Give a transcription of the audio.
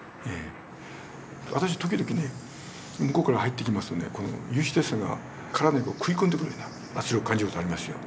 私時々向こうから入ってきますとこの有刺鉄線が体に食い込んでくるような圧力感じる事がありますよ。